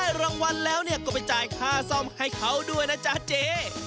รางวัลแล้วก็ไปจ่ายค่าซ่อมให้เขาด้วยนะจ๊ะเจ๊